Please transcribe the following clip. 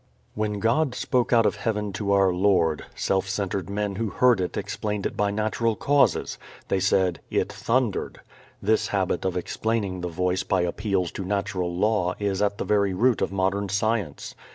When God spoke out of heaven to our Lord, self centered men who heard it explained it by natural causes: they said, "It thundered." This habit of explaining the Voice by appeals to natural law is at the very root of modern science.